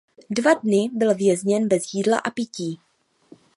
Dva dny byl vězněn bez jídla a pití.